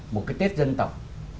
một cái tết dân tộc